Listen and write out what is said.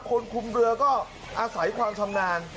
คนคุมเรือก็อาศัยความชำนาญ